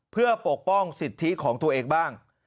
เพื่อปกป้องสิทธิของตัวเองบ้าง